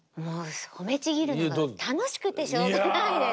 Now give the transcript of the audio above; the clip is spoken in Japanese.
褒めちぎるのが楽しくてしょうがないです。